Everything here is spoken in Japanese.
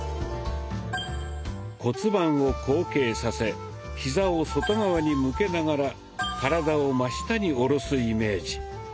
骨盤を後傾させヒザを外側に向けながら体を真下に下ろすイメージ。